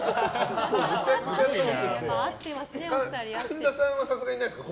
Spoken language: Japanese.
神田さんは、さすがにないですか